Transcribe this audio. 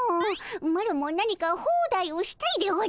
マロも何かホーダイをしたいでおじゃる！